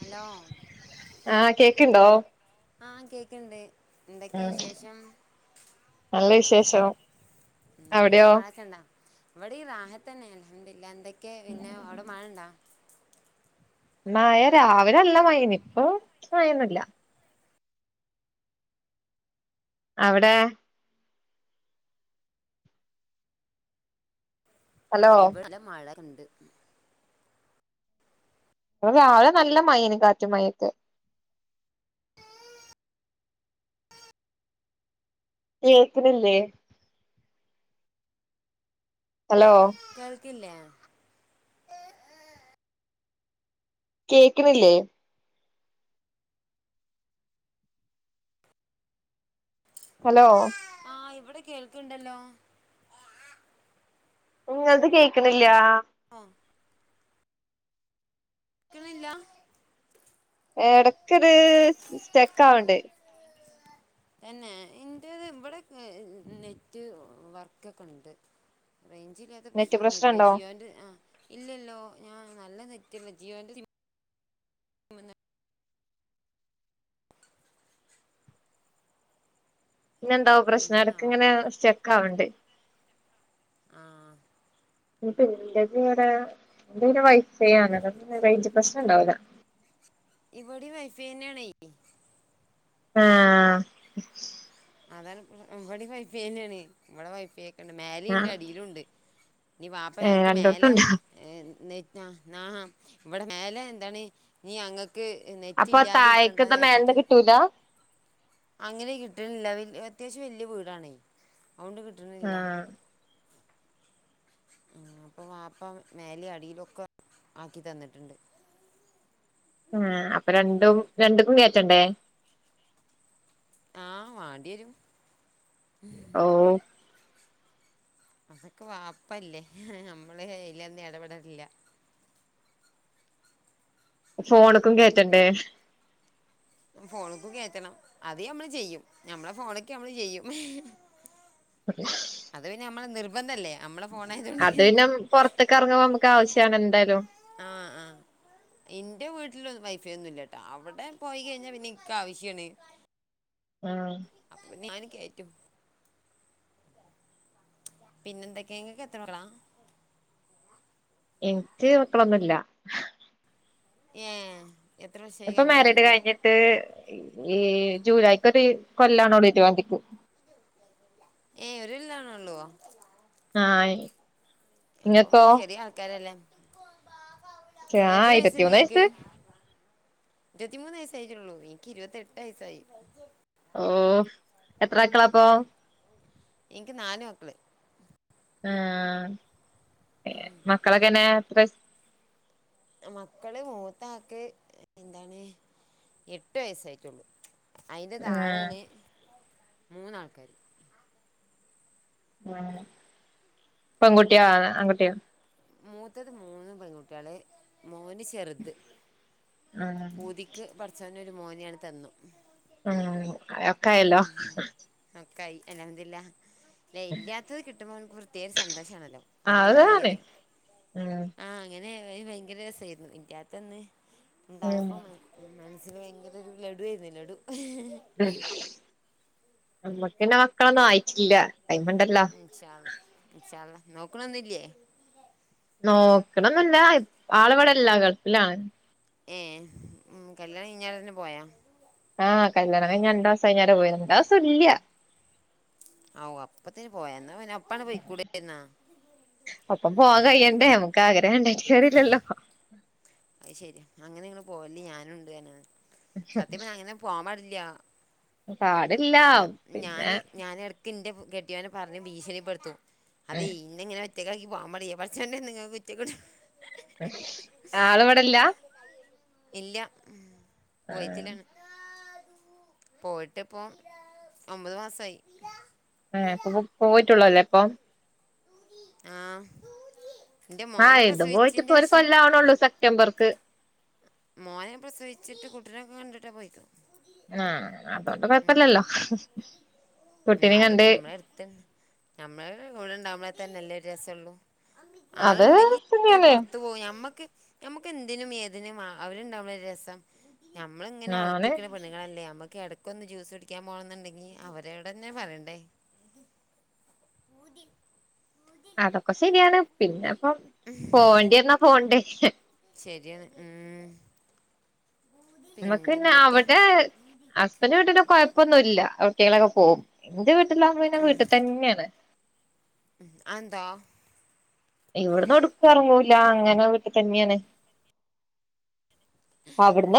Hello ആഹ് cake ഇണ്ടോ? ആഹ് കേക്ക് ഇണ്ട്. എന്തൊക്കെ ഉം വിശേഷം? നല്ല വിശേഷം [inaudible] ഉം അവിടെയോ അയുടെ മഴ ഒക്കെ ഇണ്ടാ? ഇവെടിം റാഹത്തെന്നെ ആണ് അൽഹംദുലില്ലാഹ്. എന്തൊക്കെ പിന്നെ അയുടെ മഴ ഇണ്ടാ? മഴ രാവിലെ നല്ല മഴെനി ഇപ്പോ മഴ ഒന്നും ഇല്ല അവ്ടെ ഹലോ ഇവെടെ നല്ല മഴ ഒക്കെ ഇണ്ട്. ഇവെടെ രാവിലെ നല്ല മഴ എയ്നി കാറ്റും മഴെ ഒക്കെ കേക്ക്ണ് ഇല്ലെ? ഹലോ കേൾക്ക് ഇല്ലെ? കേക്ക്‌ണ് ഇല്ലെ? ഹലോ ആഹ് ഇവ്ടെ കേൾക്ക് ഇണ്ടല്ലോ? ഇങ്ങെൾത് കേക്ക്ണ് ഇല്ലാ അഹ് ക്ക്ണ് ഇല്ലാ? എടെക്ക് ഒരു സ്റ്റെക്കാവ് ഇണ്ട്. തെന്നെ ഇന്റെത് ഇവെടെ ഒക്കെ ഹ് ഹ് നെറ്റ് വർക്കൊക്കെ ഇണ്ട് റേയ്ഞ്ച് ഇല്ലാത്ത നെറ്റ് പ്രശ്നൊന്നും ഇല്ല പ്രശ്നണ്ടോ ജിയോന്റെ ആഹ് ഇല്ലല്ലോ ഞാൻ നല്ല നെറ്റ് ഇണ്ട് ജിയോന്റെ സിമ്മ് ഇ പിന്നെ എന്താവോ പ്രശ്നം? എടെക്ക്‌ എന്ത്യേന്നാവോ ഇങ്ങനെ സ്റ്റെക്ക് ആവ്ണ്ട് ആഹ് ഇഞ്ഞ് ഇപ്പം ഇന്റെത് ഇവെടെ ഇന്റെയ് പിന്നെ വൈഫൈ ആണല്ലോ അപ്പ പിന്നെ റേയ്ഞ്ച് പ്രശ്നം ഇണ്ടാവൂലാ. ഇവെടിം വൈഫൈ എന്നെ ആണെയ് ആഹ് അതാണ് ഇവെടിം വൈഫൈ എന്നെ ആണെയ് ഇവെടെ വൈഫൈ ആക്കി ണ്ട് മേലേ ഇന്റെ ആഹ് അടിയിലുണ്ട് ഇനി വാപ്പ ഏഹ് ഞങ്ങ്ക്ക് രണ്ടോട്ത്തും മേലെ ഇണ്ട് നെറ്റ് നാ ഇവിടെ മേലെ എന്താണ് നീ അങ്ങ ക്ക് നെറ്റ് അപ്പൊ താഴേക്ക്ത്തെ ഇല്ലാതിരിക്കണ്ടാന്ന് മേലന്ന് ചാരിച്ചിട്ട് കിട്ടൂല അങ്ങനെ കിട്ടണില്ല അത്യാവശ്യം വല്യ വീടാണേ അതൊണ്ട് കിട്ടണില്ല ആഹ് [inaudible] ഉം പ്പ വാപ്പ മേലെ അടിയിലൊക്കെ ആക്കി തന്നിട്ടുണ്ട് ആഹ് അപ്പൊ രണ്ടും രണ്ട്ക്കും കേറ്റണ്ടേ? ആഹ് വാണ്ടെരും [inaudible] ഓ അതൊക്കെ വാപ്പല്ലേ നമ്മള് അയ്ലന്നും ഇടപെടലില്ല ഫോണ്ക്കും കേറ്റണ്ടേ? ഫോണ്ക്ക് കേറ്റണം അത് മ്മള് ചെയ്യും ഞമ്മളെ ഫോണ്ക്ക്‌ മ്മള് ചെയ്യും [inaudible] അത് പിന്നെ മ്മളെ നിർബന്ധല്ലേ നമ്മളെ ഫോണിത് അത് പിന്നെ പുറത്തൊക്കിറങ്ങുമ്പോ നമുക്കവശ്യണ് എന്തായാലും ആഹ് ആഹ് ന്റെ വീട്ടില് വൈഫൈ ഒന്നുംല്ലട്ട അവിടെ പോയി കഴിഞ്ഞാ പിന്നെ ഇനിക്കവശ്യണ് ഉം അപ്പൊ ഞാന് കേറ്റും പിന്നെന്തൊക്കെയങ്ക എത്രക്കള ഇൻക്ക് മക്കളൊന്നുല്ല ഏഹ് ഇപ്പൊ മരേഡ് കഴിഞ്ഞിട്ട് ഈ ജൂലൈക്കൊര് കൊല്ലാണോ ഇരുവന്തിക്ക്. ഏയ് ഒരല്ലാണോള്ളോ. ആഹ്. അപ്പം ഇങ്ങക്കോ ചെറിയ ആൾക്കാരല്ലേ. എത്ര ആഹ് ഇരുപത്തിമൂന്ന് വയസ്ണ്ട്ങ്ങക്ക്. വയസ്സ് ഇരുപത്തിമൂന്ന് വയസ്സായിറ്റൊള്ളൂ ഇനിക്ക് ഇരുപത്തി എട്ട് വയസ്സായി. ഓഹ് എത്ര അക്കളാപ്പൊ? ഇനിക്ക് നാല് മക്കള്. ആഹ് മക്കളൊക്കെന്നെ എത്രയസ് മക്കള് മൂത്താക്ക് എന്താണ് എട്ട് വയസായിറ്റൊള്ളു. അയിന്റെ ആഹ് താഴേണ് മൂന്നാൾക്കാര്. ഉം പെണ്കുട്യോ ആ ആകുട്ടിയ മൂത്തത് മൂന്ന് പെൺകുട്ട്യാ മോന് ചെറുത് ആഹ് ഊതിക്ക് പഠിച്ചന ഒരു മോനിയാണ് തന്നു ആഹ്. ഒക്കായി അൽഹംദുലില്ലാഹ്. അതെ ഇല്ലാത്തത് കിട്ടുമ്പോ മക്ക്ര് പ്ത്യേക സന്തോഷാണല്ലോ അതുകൊണ്ടാ അതാണ് എറേം ഉം ആഹ്. ഇങ്ങനെ വയങ്കരസയിരുന്നു ഇല്യതൊന്ന് ഉം ഇണ്ടായപ്പോ മന മനസ്സില് വയൻ ലഡയിന്നു ലഡു. നമ്മക്കിന്നെ മക്കളൊന്നായിട്ടില്ല ടൈമ്ണ്ടല്ലോ. ൻശാഅല്ലാഹ്‌ ഇൻശാഅല്ലാഹ്‌ നോക്ണൊന്നുല്യേ? നോക്കണന്നില്ല ആളവടെല്ലാ ഗൾഫി ലാണ്. ഏഹ് ഉം കല്യാണഴഞ്ഞാ തന്നെ പോയാ? ആഹ് കല്യാണ കഴിഞ്ഞണ്ടാസഴിഞ്ഞലേ പോയെ രണ്ടാസോല്യ. ഓ അപ്പത്തേന് പോയ ഇന്നാ ന്നെ ഒപ്പണ് പെയ്ക്കൂടെരുന്ന? ഒപ്പം പോവാൻ കഴിയണ്ടേ അമുക്ക് ആഗ്രഹണ്ടായിട്ട് കാര്യേല്ലല്ലോ. അയ് ശരി അങ്ങനെങ്ങള് പോവല്ലിം ഞാനുണ്ട്ന്നറഞാതി സത്യപ്പന് അങ്ങനെ പോവാൻ പാടില്ല. പാടില്ല. ഞ പിന്നെ ഞാന് ഞാനടക്ക് ഇന്റെ കെട്യോനെ പറഞ് ഭീഷണിപ്പെടുത്തും അത് യ്യി ഇന്നെങ്ങനെ ഒറ്റക്കാക്കി പോവാൻ പാടില്ലേയ് പാടിച്ചോണ്ടാട്ന്ന് ങേക്ക് റ്റം കിട്ടു ആളവടെല്ല. ഇല്യ ഉം ആഹ് കുവൈത്തിലാണ്. പോയിട്പ്പോ. ഒമ്പത് മാസായി. ഏഹ് പോയി പോയിടട്ടൊള്ളൂ അല്ലേ ഇപ്പൊ. ആഹ്. എൻ്റെ മോനെ ആഹ് ഇതും പോയിട്ടിപ്പ പ്രസവിച്ചതിൻ്റെ ഒരു ശേഷം കൊല്ലാവണള്ളൂ സെപ്റ്റംബർക്ക്. മോനെ പ്രസവിച്ചിട്ട് കുട്ടിനെൊക്കെ കണ്ടിട്ടാ പോയിക്കിണ്. ആഹ് അപ്പോ പ്പൊ കൊയപ്പേല്യല്ലോ. ഇന്നാലും ഞമ്മളടുത്ത് ഞമ്മഎ കൂഴെണ്ടാവുമ്പതന്നെല്ലേ രസള്ളു. അത് ആള്ണ്ടെങ്കി ഇങ്ങനെ തന്നെയാണ് പൊറത്തു പോവും ഞമ്മക്ക്. ഞമ്മക്ക് എന്തിനും ഏതിനും അവരുണ്ടാവുള്ള രസം ഞമ്മള് ങ്ങനെ അവഔത്തി ആണ് ണ്ങ്ങളല്ലേ അമ്മക്ക് എടക്കൊന്ന് ജ്യൂസ്ടിക്കാൻ പോണന്ന്ണ്ടെങ്കി അവരോടെന്നെ പറയണ്ടേ. അതൊക്കെ ശര്യാണ് പിന്നെപ്പൊ പോണ്ടയെന്നാ പോണ്ടേ. ശര്യാണ് ഉം. നമുക്ക്ന്നെ പിന്നെന്തൊക്കെ അവടെ. ഹസ്ബൻഡ് വീട്ടില് കൊയപ്പൊന്നുല്ല കുട്ടികളൊക്കെ പോവും എന്റെ വീട്ടിലാവക്പോഴഞ്ഞ വീട്ടിൽ തന്നെയാണ് അഎന്താ? ഇവിടന്ന്ടുക്കും ഒറങ്ങുല അങ്ങനെ വീട്ടിതന്നെണ്.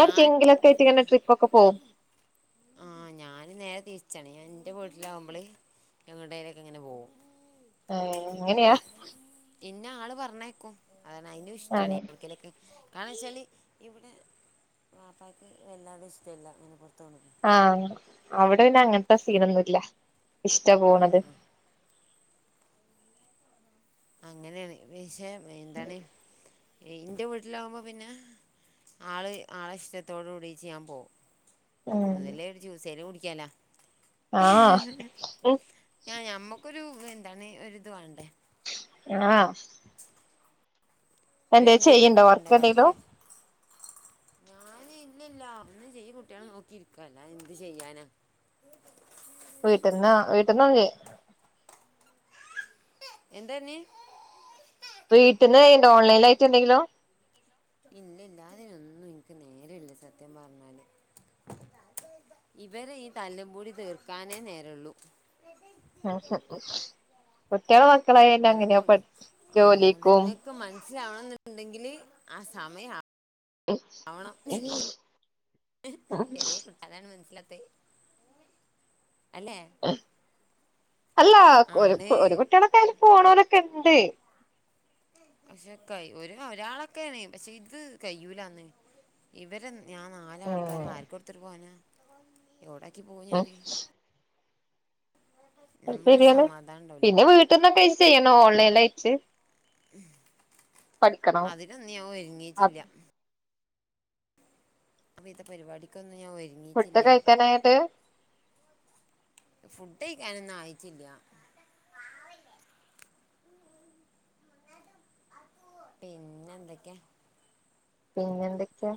ഞാൻ ട്രിപ്പൊക്കെ പോവും. ആഹ് ഞൻ നേരെ തിരിച്ചാണ് ഞാൻ എന്റെ വീട്ടില ആകുമ്പോള് ഞങ്ങളടേലേക്ക ഇങ്ങനെ പോകും ഏ അങ്ങനെയാ പിന്നെ ആള് പറഞ്ഞേക്കും അതാണ് അതിൻറെ ഇഷ്ടമാണ് ആണ് ിക്കലൊക്കെ കാരണ വെച്ചാല് ഇവിടെ വാപ്പക്ക് വല്ലാടെും ഇഷ്ട്ടല്ല ഇങ്ങനെ പുറത്തുണ ആഹ അവിടെ പിന്നെ അങ്ങനത്തെ സീനൊന്നുമല്ല ഇഷ്ട ആ പോണത് ആ അങ്ങനെയാണ് പക്ഷെ എന്താണ് എന്റെ വീട്ടിലാകുമ്പോ പിന്നെ ആള് ആളെ ഇഷ്ടത്തോടു കൂടി ചെയ്യാൻ പോകും ഉം ഒന്നല്ല ഒരു ജ്യൂസേന കുടിക്കാലാ ആഹ് ഉം ഞ ഞമ്മക്കൊരുപ എന്താണ് ഒരിത് വേണ്ടേ ആഹ [unintelligible] ഇപ്പ ഒരു എന്ത ചെയ്യണ്ടോ എൻജോയ്മെന്റ് വർക്ക് എന്തെിലോ ഞാന് ഇല്ലില്ല അന്ന് ചെയ്യ കുട്ടികള് നോക്കിയിരിക്കല്ല എന്ത് ചെയ്യാന് വീട്ടിൽന്ന് വീട്ടന്നേ എന്ത്പറഞ്ഞി വീട്ടിന്ന്റെ ഓൺലൈൻ ആട്ട് എന്തെങ്കിലോ ഇല്ല ഇല്ലാതിൊന്നും ഇനിക്ക് നേരല്ല സത്യം പറഞ്ഞല് ഇവരെ ഈ തല്ലപൂടി തീര്ക്കാനേ നേരുള്ളൂ കുട്ടികളെ മക്കളായല്ലാം അങ്ങനെയ അതിപ്പോ ആ അത് ജോലിക്കും നിങ്ങൾക്ക് മനസ്സിലാവണം എന്നുണ്ടെങ്കിൽ ആ സമയം ആവണം ഉ ചെറിയ കുട്ടതാണ് മനസ്സിലാത്തത് അല്ലേ അല്ല ഒരു ആണ് ഒരു കുട്ടിയുടെൊക്കെ പോണവനൊക്കെ ഉണ്ട് പക്ഷെ ക ഒ ഒരാളൊക്കെയണ പക്ഷെ ഇത് കഴൂല അന്ന് ഇവരെ ഞാൻ നാല് ആൾക്കാര ഉം ആർക്ക്‌ കൊടുത്തിട്ട് പോനാ എവിടാക്കി പോവും ഉം ഞാന് നമുക്കൊരു ശരിയാണ് സമാധാനം ഉണ്ടാവില്ല പിന്നെ വീട്ടിൽന്നൊക്കെഴച്ച് ചെയ്യണ ഓൺലൈനൽ അയച്ച് അതിലൊന്നും ഞാൻ ഒരുങ്ങിട്ടില്ല അപ്പൊ ഇത പരിപാടിക്കൊന്നും ഞാൻ ഫുഡ് ഒരുങ്ങീട്ടില്ല കഴിക്കാനായിട്ട് ഫുഡ് കഴിക്കാനൊന്നും ആയിച്ചില്ല പിന്നെ എന്തക്കെയാ? പിന്നെ എന്തൊക്കെയാ?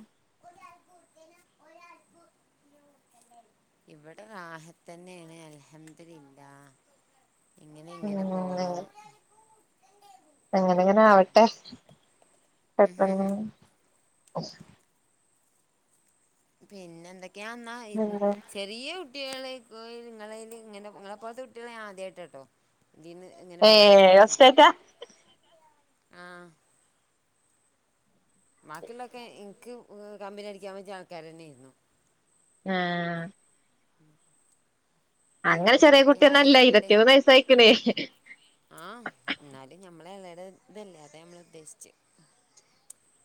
ഇവിടെ വാഹ തന്നെയാണ് അൽഹംദിലില്ല. ഇങ്ങനെ ഇങ്ങനെ പോണു. എങ്ങനങ്ങനെ ആവട്ടെ പെട്ടന്ന് പിന്നെ എന്തൊക്കെയാ ഇന്നാ [unintelligible] ചെറിയ കുട്ടികളെ [unintelligible] നിങ്ങളെല് ഇങ്ങനെ ഇങ്ങളപ്പോലത്തെ കുട്ടികളെ ആദ്യായിട്ടട്ടോ. ഇതീന്ന് എങ്ങനെ ഏ പരിചയപ്പെടണൊക്കെ, ഫസ്റ്റ്റ്റാ ആഹ് ബാക്കിയുള്ളൊക്കെ എനിക്ക് കമ്പനി അടിക്കാൻ പറ്റിയ ആൾക്കാര് തന്നെ ആയിരുന്നു. ആഹ് മ് അങ്ങനെ ചെറിയ കുട്ടിയൊന്നല്ല ഇരുപത്തിമൂന്ന് വയസ്സായിക്കണ്. ആഹ് എന്നാലും ഞമ്മളെ [unintelligible] ഇതല്ലേ അതെ നമ്മള ഉദ്ദേശിച്ച്.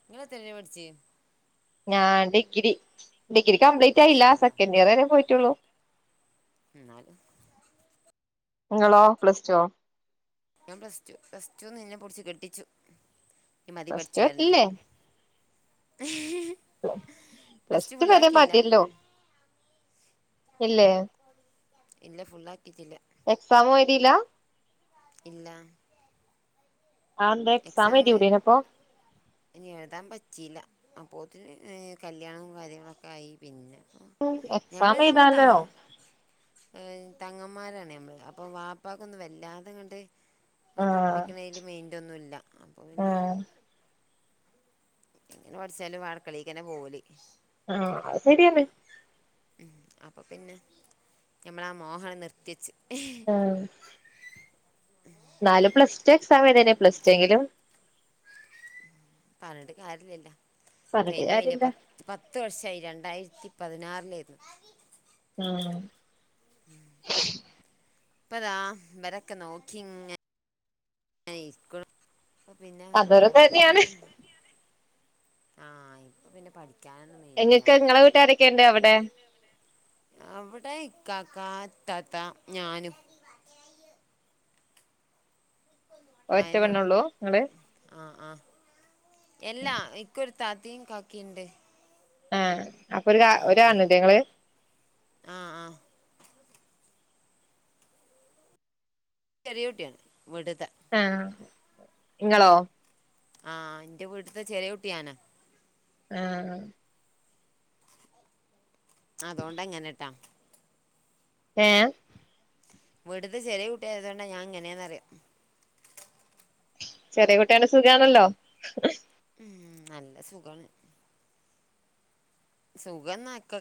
നിങ്ങള് എത്ര വരെ പഠിച്ച് ഞാൻ ഡിഗ്രി, ഡിഗ്രി കംപ്ലീറ്റ് ആയില്ല, മാഷാല്ല സെക്കൻഡ് ഇയർ വരെ പോയിട്ടുള്ളൂ. എന്നാല് ഇങ്ങളോ പ്ലസ് ടുവോ? ഞാൻ പ്ലസ് ടു, പ്ലസ് ടുന്ന് ഇന്നെ പൊടിച്ചു കെട്ടിച്ചു. നീ മതി പ്ലസ് ടു പഠിച്ചെ പറഞ്ഞിട്ട്. ഇല്ലേ പ്ല പ്ലസ് ടു വരെ മതില്ലോ ഇല്ലേ. ഇല്ല ഫുൾ ആക്കിട്ടില്ല. എക്സാമും എഴുതില്ല. ഇല്ല. ആന്ത എക്സാം എയ്തി കൂടെനോ ഇപ്പോ. ഇനി എഴുതാൻ പറ്റില്ല, അപ്പോത്തിന് ഏ കല്യാണം കാര്യങ്ങളൊക്കെ ആയി. പിന്നെ എക്സാം ഞമ്മള് ഞമ്മള് എഴുതാലോ തങ്ങ ഏഹ് തങ്ങമ്മാരാണ് ഞമ്മള് അപ്പ വാപ്പക്കൊന്നും വല്ലാതങ്ങട്ട് ആ ആഹ് പഠിപ്പിക്കണേല് മെയിന്റ് ഒന്നുല്ല, അപ്പോ പിന്നെ ആഹ് എങ്ങനെ പഠിച്ചാലും [unintelligible] പോവല്. ആഹ് അത് ശരിയാണ്. മ് അപ്പ പിന്നെ ഞമ്മളാ മോഹണ്ട് നിർത്തി വെച്ച്. ആഹ് ന്നാലും പ്ലസ് ടു എക്സാം എയ്തേനി പ്ലസ് ടു എങ്കിലും പറഞ്ഞിട്ട് കാര്യല്ലല്ലോ പറഞ്ഞിട്ട് കയിഞ്ഞു പോയില്ലെ കാര്യമില്ല പത് പത്ത് വർഷായി രണ്ടായിരത്തി പതിനാറിലായിരുന്നു. ആഹ് മ് ഇപ്പതാ ഇവരെ ഒക്കെ നോക്കി ഇങ്ങ നെ ഇരിക്കണ് പിന്നെ അതൊരു തന്നെയാണ് പഠിക്കാനെന്താ. ആഹ് ഇപ്പ പിന്നെ പഠിക്കാൻ ഒന് എങ്ങക്ക് എങ്ങളെ വീട്ടുകാരൊക്കെ ഇണ്ട് അവിടെ. അവിടെ ഇക്കാക്ക, ഇത്താത്ത, ഞാനും ഒറ്റ പെണ്ണോള്ളൂ ഇങ്ങള്? ആഹ് ആഹ് എല്ലാ എക്കൊരു താത്തയും കാക്കിംണ്ട്. ആഹ് അപ്പ ഒരു കാ ആ ഒരാണ് ലെ ഇങ്ങള്. ആ ആ ചെറിയ കുട്ടിയാണ് വീട്ട്ത്തെ. ആഹ് ഇങ്ങളോ? ആഹ് ഇന്റെ വീട്ട്ത്തെ ചെറിയ കുട്ടി ഞാനാ. ആഹ് അതോണ്ട ഇങ്ങനെട്ടാ. ഏ വീട്ട്ത്തെ ചെറിയേ കുട്ടിയായതോണ്ടാ ഞാൻ ഇങ്ങനെന്ന് പറിയാ ചെറിയേ കുട്ടി ആയോണ്ട് സുഖാണല്ലോ ഉം നല്ല സുഖാണ് സുഖം ന്നൊക്കെക-